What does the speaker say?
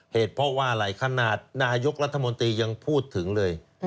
เหตุเพราะว่าอะไรขนาดนายกรัฐมนตรียังพูดถึงเลย